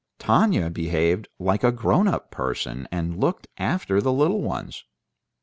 Tanya behaved like a grown up person, and looked after the little ones.